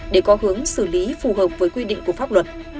để có hướng xử lý phù hợp với quy định của pháp luật